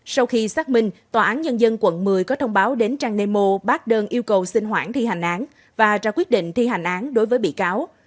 sau khi xác minh tòa án nhân dân quận một mươi có thông báo đến trang nemo bác đơn yêu cầu xin hoãn thi hành án và ra quyết định thi hành án đối với bị cáo